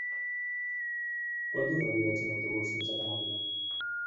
Quant dura el viatge en autobús fins a Penàguila?